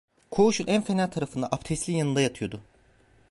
Koğuşun en fena tarafında, aptesliğin yanında yatıyordu.